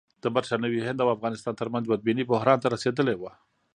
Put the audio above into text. د برټانوي هند او افغانستان ترمنځ بدبیني بحران ته رسېدلې وه.